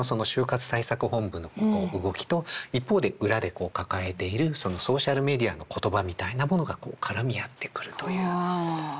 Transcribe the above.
対策本部の動きと一方で裏で抱えているソーシャルメディアの言葉みたいなものがこう絡み合ってくるという。わ。